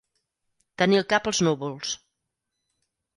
Tenir el cap als núvols.